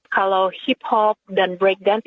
kalau hip hop dan break gunting